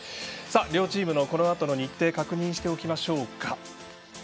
両チームのこのあとの日程を確認しておきましょう。